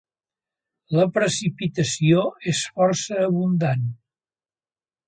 La precipitació és força abundant.